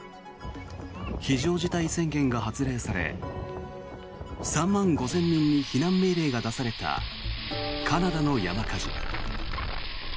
非常事態宣言が発令され３万５０００人に避難命令が出されたカナダの山火事。